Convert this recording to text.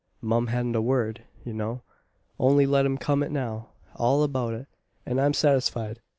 Mum. Hadn't a word, you know. Only let him come it now, all about it, and I'm satisfied.